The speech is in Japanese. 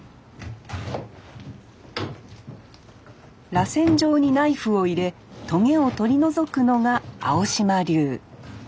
らせん状にナイフを入れトゲを取り除くのが青島流。